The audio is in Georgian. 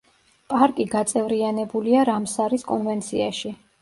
პარკი გაწევრიანებულია რამსარის კონვენციაში.